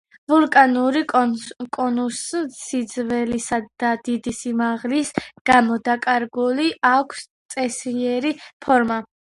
ვულკანურ კონუსს სიძველისა და დიდი სიმაღლის გამო დაკარგული აქვს წესიერი ფორმა.